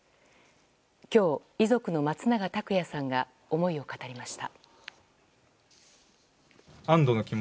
今日、遺族の松永拓也さんが思いを語りました。